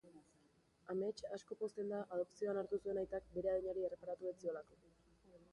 Amets asko pozten da adopzioan hartu zuen aitak bere adinari erreparatu ez ziolako.